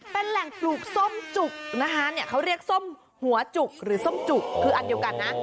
เป็นแหล่งปลูกส้มจุกนะคะเนี่ยเขาเรียกส้มหัวจุกหรือส้มจุกคืออันเดียวกันนะ